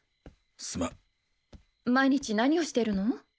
すまん毎日何をしてるの？